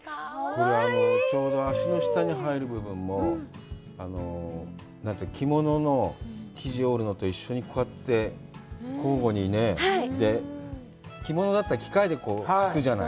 ちょうど足の下に入る部分も、着物の生地を織るのと一緒で、こうやって交互にね、着物だったら機械でひくじゃない。